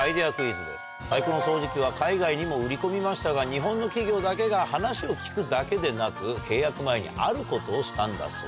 サイクロン掃除機は海外にも売り込みましたが日本の企業だけが話を聞くだけでなく契約前にあることをしたんだそうです。